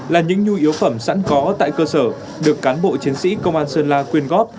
là những nhu yếu phẩm sẵn có tại cơ sở được cán bộ chiến sĩ công an sơn la quyên góp